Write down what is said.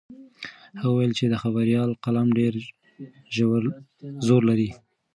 هغه وویل چې د خبریال قلم ډېر زور لري.